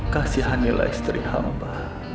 kasihanilah istri hamba